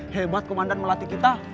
hebat komandan melatih kita